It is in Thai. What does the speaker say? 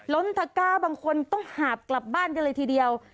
ล้นตะก้าบางคนต้องหาบกลับบ้านกันเลยทีเดียว